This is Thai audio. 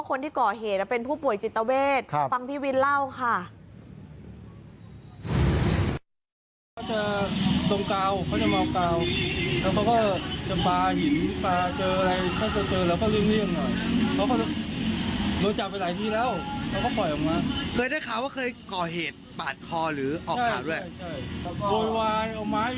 เคยได้ข่าวว่าเคยก่อเหตุปลาดคอหรือออกหัวด้วย